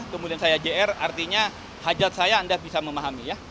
kemudian saya jr artinya hajat saya anda bisa memahami ya